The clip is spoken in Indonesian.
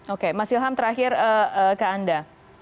oke mas ilham terakhir ke anda